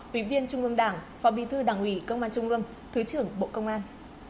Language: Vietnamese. ủy viên trung ương đảng phó bí thư đảng ủy công an trung ương thứ trưởng bộ công an